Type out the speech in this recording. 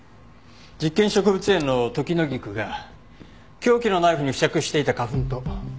実験植物園のトキノギクが凶器のナイフに付着していた花粉と一致しました。